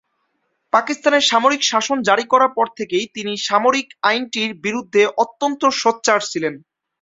পাকিস্তানের সামরিক শাসন জারি করার পর থেকেই তিনি সামরিক আইনটির বিরুদ্ধে অত্যন্ত সোচ্চার ছিলেন।